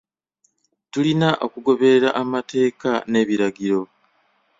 Tulina okugoberera amateeka n'ebiragiro.